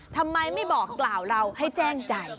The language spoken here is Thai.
ทำไมไม่บอกกล่าวเราให้แจ้งใจ